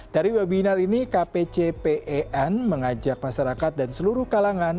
dari webinar ini kpcpen mengajak masyarakat dan seluruh kalangan